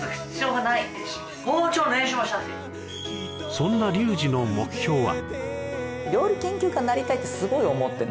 そんなリュウジの目標は？